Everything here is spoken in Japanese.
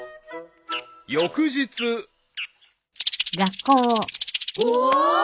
［翌日］おお。